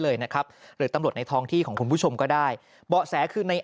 เลยนะครับหรือตำรวจในท้องที่ของคุณผู้ชมก็ได้เบาะแสคือใน